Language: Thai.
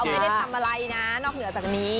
ไม่ได้ทำอะไรนะนอกเหนือจากนี้